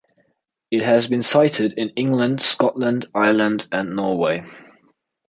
It has been sighted in England, Scotland, Ireland, and Norway.